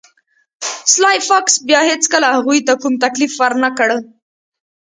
سلای فاکس بیا هیڅکله هغوی ته کوم تکلیف ورنکړ